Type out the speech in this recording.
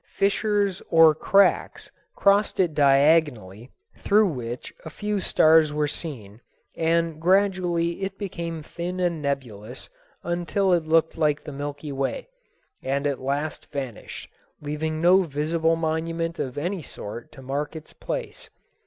Fissures or cracks crossed it diagonally through which a few stars were seen, and gradually it became thin and nebulous until it looked like the Milky Way, and at last vanished, leaving no visible monument of any sort to mark its place.